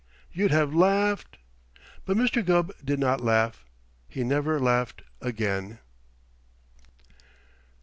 you'd have laughed " But Mr. Gubb did not laugh. He never laughed again.